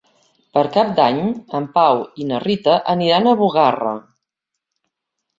Per Cap d'Any en Pau i na Rita aniran a Bugarra.